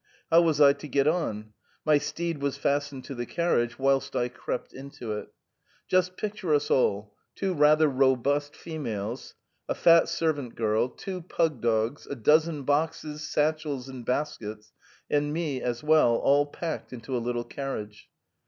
How was I to get on ? My steed was fastened to the carriage, whilst I crept into it. Just picture us all — two rather robust females, a fat servant girl, two pug dogs, a dozen boxes, satchels, and baskets, and me as well, all packed into a little carriage.